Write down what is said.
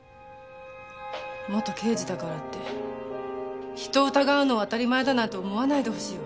元刑事だからって人を疑うのを当たり前だなんて思わないでほしいわ。